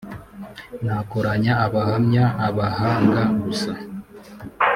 nakoranya abahamya, abahanga gusa